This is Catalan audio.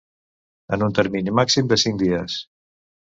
En un termini màxim de cinc dies.